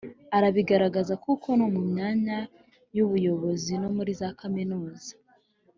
arabigaragaza kuko no mu myanya y’ubuyobozi no muri za kaminuza,